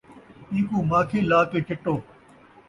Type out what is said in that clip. اینکوں ماکھی لا کے چٹو